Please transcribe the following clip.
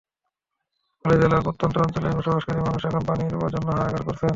ফলে জেলার প্রত্যন্ত অঞ্চলে বসবাসকারী মানুষ এখন পানির জন্য হাহাকার করছেন।